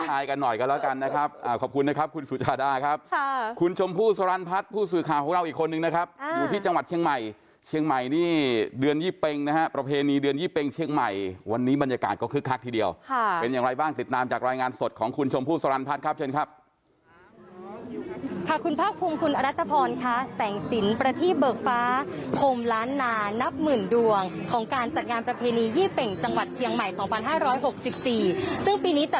กันหน่อยกันแล้วกันนะครับขอบคุณนะครับคุณสุชาดาครับค่ะคุณชมพู่สรรพัฒน์ผู้สื่อข่าวของเราอีกคนนึงนะครับอยู่ที่จังหวัดเชียงใหม่เชียงใหม่นี่เดือนยี่เป็งนะฮะประเพณีเดือนยี่เป็งเชียงใหม่วันนี้บรรยากาศก็คึกคักทีเดียวค่ะเป็นอย่างไรบ้างติดตามจากรายงานสดของคุณชมพู่สรรพัฒน์ครับเชิญครับค่ะ